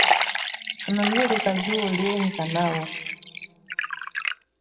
Hanalulika zuwo lienyi kanawa.